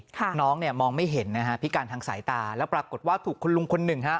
น้องเนี่ยมองไม่เห็นนะฮะพิการทางสายตาแล้วปรากฏว่าถูกคุณลุงคนหนึ่งฮะ